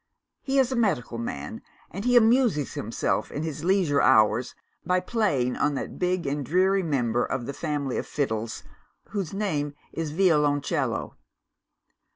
He is a medical man; and he amuses himself in his leisure hours by playing on that big and dreary member of the family of fiddles, whose name is Violoncello.